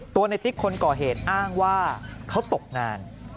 ตัวในติ๊กคนก่อเหตุอ้างว่าเขาตกงาน